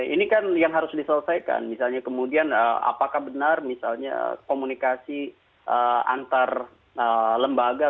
ini kan yang harus diselesaikan misalnya kemudian apakah benar misalnya komunikasi antar lembaga